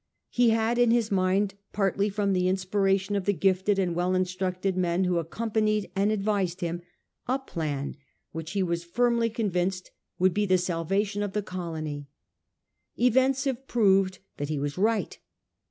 He had in his mind, partly from the inspiration of the gifted and well instructed men who accom panied and advised him, a plan which he Was firmly convinced would be the salvation of the colony Events have proved that he was right.